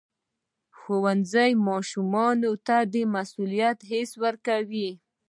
ښوونځی ماشومانو ته د مسؤلیت حس ورکوي.